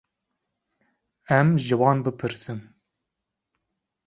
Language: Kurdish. Em ji wan bipirsin.